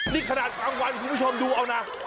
นี่ขนาดกลางวันคุณผู้ชมดูเอานะ